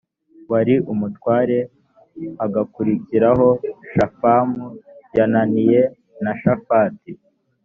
wari umutware hagakurikiraho shafamu yanayi na shafati